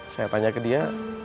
saya tanya ke dia